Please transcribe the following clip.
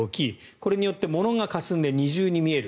これによって物がかすんで二重に見える。